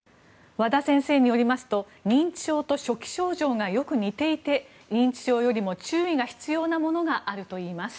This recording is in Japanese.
和田先生によりますと認知症と初期症状がよく似ていて認知症よりも注意が必要なものがあるといいます。